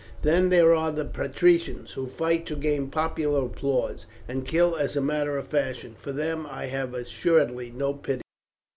Then there are the patricians, who fight to gain popular applause, and kill as a matter of fashion; for them I have assuredly no pity.